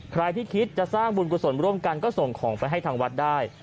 ใครที่คิดจะสร้างบุญกุศลร่วมกันก็ส่งของไปให้ทางวัดได้